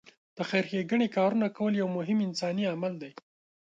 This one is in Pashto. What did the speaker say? د خېر ښېګڼې کارونه کول یو مهم انساني عمل دی.